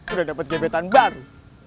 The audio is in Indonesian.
udah dapet gebetan baru